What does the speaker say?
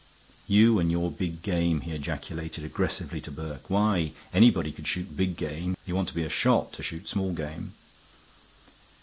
"You and your big game," he ejaculated, aggressively, to Burke. "Why, anybody could shoot big game. You want to be a shot to shoot small game."